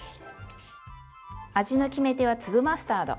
味の決め手は粒マスタード。